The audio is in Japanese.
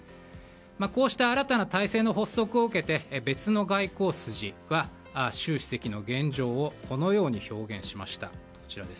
こうした新たな体制の発足を受けて、別の外交筋は習主席の現状をこのように表現しました。